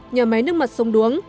nhà máy nước mặt sông đuống